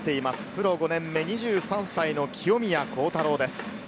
プロ５年目、２３歳の清宮幸太郎です。